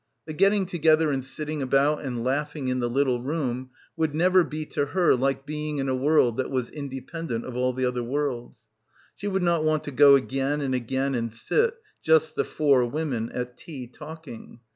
The getting together and sitting about and laughing in the little room would never be to her like being in a world that was independent of all the other worlds. She would not want to go again and again and sit, just the four women, at tea, talking.